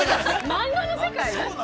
◆漫画の世界！？